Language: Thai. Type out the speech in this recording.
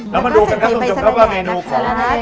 แล้วมาดูกันครับทุกครับว่าเมนูของ